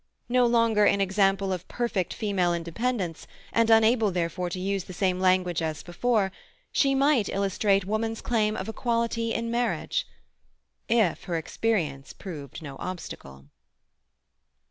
No longer an example of perfect female independence, and unable therefore to use the same language as before, she might illustrate woman's claim of equality in marriage.—If her experience proved no obstacle.